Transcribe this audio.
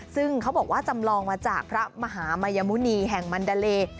ซึ่งเขาบอกว่าจำลองมาจากพระมหามายมุณีแห่งมันดาเล